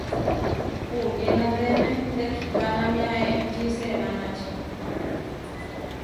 Puyénatemé tekihpánamia enčí semánači.